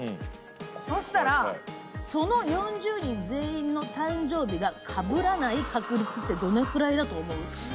そうしたら、その４０人全員の誕生日がかぶらない確率ってどのくらいだと思う？